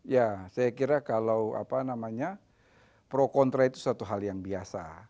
ya saya kira kalau apa namanya pro kontra itu satu hal yang biasa